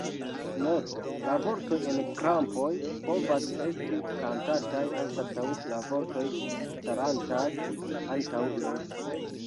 Noto: La vortoj en krampoj povas esti kantataj anstataŭ la vortoj starantaj antaŭ ili.